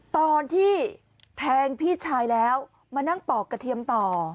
ตอนที่แทงพี่ชายแล้วมานั่งปอกกระเทียมต่อ